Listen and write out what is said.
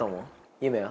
夢は？